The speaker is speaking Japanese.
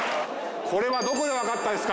これはどこで分かったんですか？